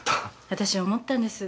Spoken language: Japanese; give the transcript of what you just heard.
私思ったんです。